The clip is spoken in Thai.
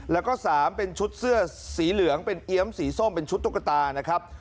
แล้วก็๓เป็นชุดเสื้อสีเหลืองเป็นเอี๊ยมสีส้มเป็นชุดตุ๊กตานะครับ